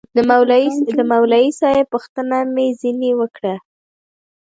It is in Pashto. د مولوي صاحب پوښتنه مې ځنې وكړه.